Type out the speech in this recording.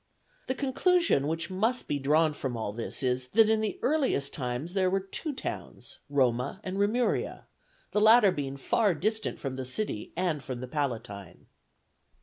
The conclusion which must be drawn from all this is, that in the earliest times there were two towns, Roma and Remuria, the latter being far distant from the city and from the Palatine.